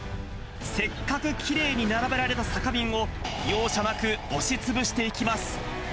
せっかくきれいに並べられた酒瓶を、容赦なく押しつぶしていきます。